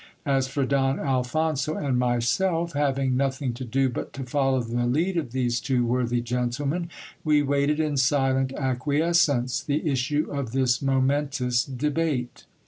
As for Don Alphonso and myself, having nothing to do but to follow the lead of these two worthy gentlemen, we waited, in silent acquies cence, the issue of this momentous debate.